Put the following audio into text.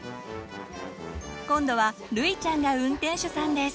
今度はるいちゃんが運転手さんです。